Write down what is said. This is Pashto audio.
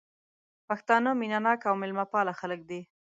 پښتانه مينه ناک او ميلمه پال خلک دي